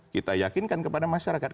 kita yakinkan kepada masyarakat